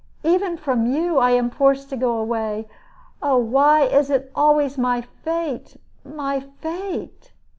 Even from you I am forced to go away. Oh, why is it always my fate my fate?"